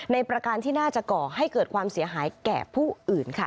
ประการที่น่าจะก่อให้เกิดความเสียหายแก่ผู้อื่นค่ะ